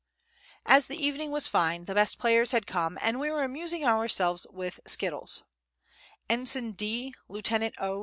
As the evening was fine, the best players had come, and we were amusing ourselves with skittles [Footnote: Gorodki]. Ensign D., Lieutenant O.